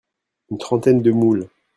Une trentaine de moules.